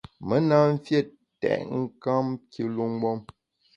Me na mfiét tètnkam kilu mgbom.